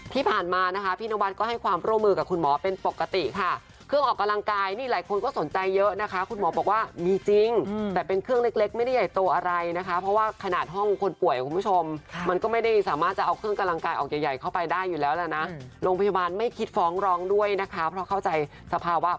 ที่ผ่านมานะคะพี่นวัดก็ให้ความร่วมมือกับคุณหมอเป็นปกติค่ะเครื่องออกกำลังกายนี่หลายคนก็สนใจเยอะนะคะคุณหมอบอกว่ามีจริงแต่เป็นเครื่องเล็กเล็กไม่ได้ใหญ่โตอะไรนะคะเพราะว่าขนาดห้องคนป่วยคุณผู้ชมมันก็ไม่ได้สามารถจะเอาเครื่องกำลังกายออกใหญ่ใหญ่เข้าไปได้อยู่แล้วแหละนะโรงพยาบาลไม่คิดฟ้องร้องด้วยนะคะเพราะเข้าใจสภาวะ